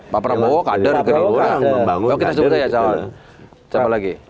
pak pramowo kader pak pramowo yang membangun kader siapa lagi